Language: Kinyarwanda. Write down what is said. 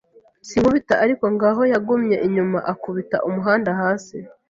Sinkubita; ariko ngaho yagumye inyuma, akubita umuhanda hasi